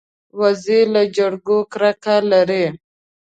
وزې له جګړو کرکه لري